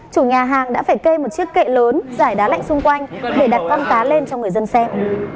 chủ nhà hàng đã phải cây một chiếc kệ lớn giải đá lạnh xung quanh để đặt con cá lên cho người dân xem